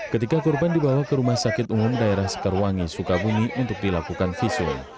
ketika korban dibawa ke rumah sakit umum daerah sekarwangi sukabumi untuk dilakukan visum